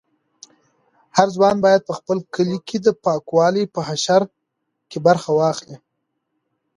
هر ځوان باید په خپل کلي کې د پاکوالي په حشر کې برخه واخلي.